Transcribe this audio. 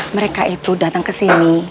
mereka itu datang kesini